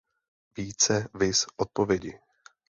Více viz Odpovědi.